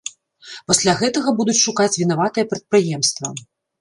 Пасля гэтага будуць шукаць вінаватае прадпрыемства.